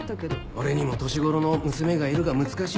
俺にも年頃の娘がいるが難しいんだよ。